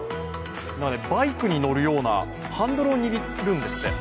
バイクに乗るようなハンドルを握るんですって。